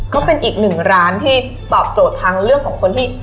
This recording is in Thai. ก็เป็นอีกหนึ่งร้านที่ตอบโจทย์ทางเรื่องของคนที่